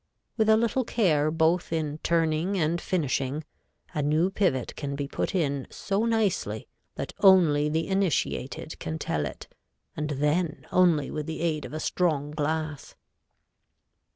With a little care both in turning and finishing, a new pivot can be put in so nicely that only the initiated can tell it, and then only with the aid of a strong glass.